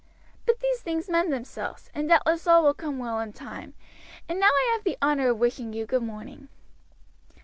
But these things mend themselves, and doubtless all will come well in time; and now I have the honor of wishing you good morning."